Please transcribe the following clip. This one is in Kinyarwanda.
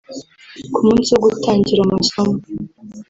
Ku munsi wo gutangira amasomo